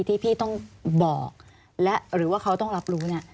ที่พี่ต้องบอกหรือว่าเขาต้องรับรู้